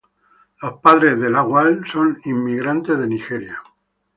Los padres de Lawal son inmigrantes de Nigeria.